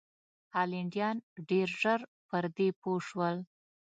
هالنډیان ډېر ژر پر دې پوه شول.